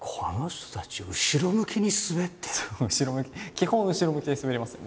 基本後ろ向きで滑りますよ